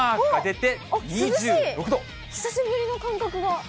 涼しい、久しぶりの感覚が。